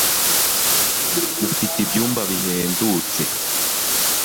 ufite ibyumba bihendutse